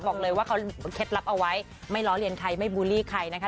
บอกเลยว่าเขาเคล็ดลับเอาไว้ไม่ล้อเลียนใครไม่บูลลี่ใครนะคะ